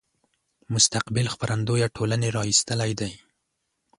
مستقبل خپرندويه ټولنې را ایستلی دی.